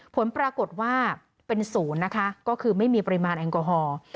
ผลปรากฏว่าเป็นศูนย์นะคะก็คือไม่มีปริมาณแอลกอฮอล์